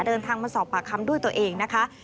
เดินทางมาสอบปากคำด้วยตัวเองนะคะ